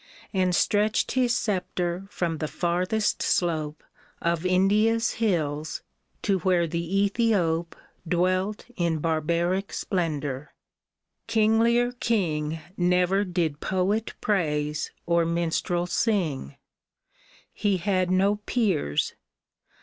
And stretched his sceptre from the farthest slope Of India's hills, to where the Ethiop Dwelt in barbaric splendor. Kinglier king Never did poet praise or minstrel sing ! He had no peers.